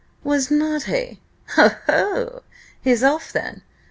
"Was not he? Ho! ho! He's off then!